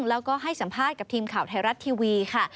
แล้วก็ให้สัมภาษณ์กับทีมข่าวไทยรัฐทีวีค่ะ